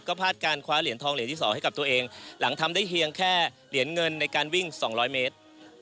พลาดการคว้าเหรียญทองเหรียญที่๒ให้กับตัวเองหลังทำได้เพียงแค่เหรียญเงินในการวิ่ง๒๐๐เมตร